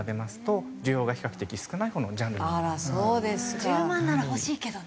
１０万なら欲しいけどな。